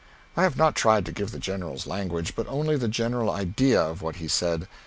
I have not tried to give the General's language, but only the general idea of what he said.